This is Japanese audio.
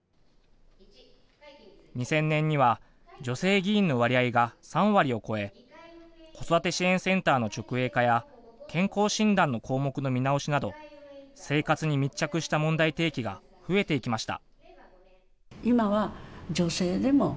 ２０００年には女性議員の割合が３割を超え子育て支援センターの直営化や健康診断の項目の見直しなど生活に密着した問題提起が増えていきました。